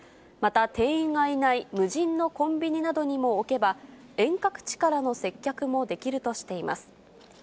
また店員がいない無人のコンビニなどにも置けば、遠隔地からの接客もできるとしています。